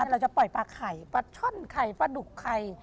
เราจะปล่อยปลาไข่ปลาช่อนไข่ปลาดุกไข่